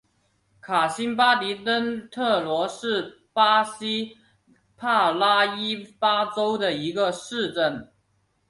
卡辛巴迪登特罗是巴西帕拉伊巴州的一个市镇。